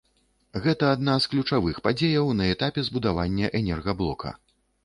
Гэта адна з ключавых падзеяў на этапе збудавання энергаблока.